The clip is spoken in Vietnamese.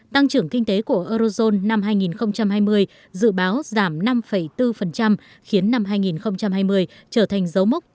tăng trưởng kinh tế của eurozone năm hai nghìn hai mươi dự báo giảm năm bốn khiến năm hai nghìn hai mươi trở thành dấu mốc